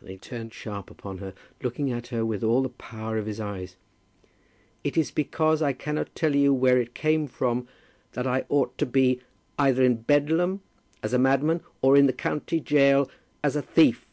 and he turned sharp upon her, looking at her with all the power of his eyes. "It is because I cannot tell you where it came from that I ought to be, either in Bedlam, as a madman, or in the county gaol as a thief."